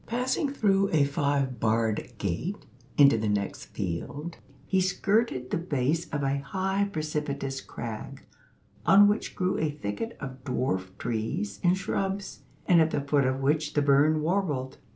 Passing through a five barred gate into the next field, he skirted the base of a high, precipitous crag, on which grew a thicket of dwarf trees and shrubs, and at the foot of which the burn warbled.